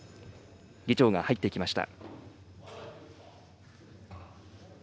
議長が入ってきました。